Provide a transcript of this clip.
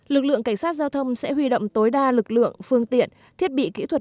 lực lượng cảnh sát giao thông sẽ huy động tối đa lực lượng phương tiện thiết bị kỹ thuật